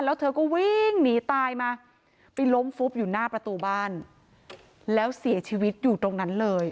แล้วเธอก็วิ่งหนีตายมาไปล้มฟุบอยู่หน้าประตูบ้านแล้วเสียชีวิตอยู่ตรงนั้นเลย